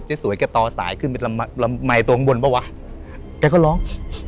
เจ๊สวยต่อซายขึ้นแล้วก็ลอง